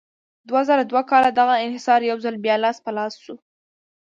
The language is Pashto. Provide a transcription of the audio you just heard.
دوه زره دوه کال کې دغه انحصار یو ځل بیا لاس په لاس شو.